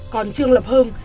còn trương lập hưng